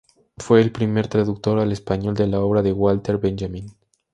Fue el primer traductor al español de la obra de Walter Benjamin.